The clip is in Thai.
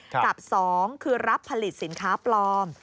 กับ๒คือรับผลิตสินค้าปลอม